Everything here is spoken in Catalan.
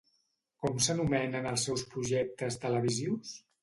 Com s'anomenen els seus projectes televisius?